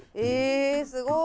えすごい。